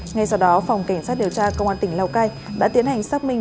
ngay sau đó phòng cảnh sát điều tra công an tỉnh lào cai đã tiến hành xác minh